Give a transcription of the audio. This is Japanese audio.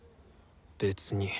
別に。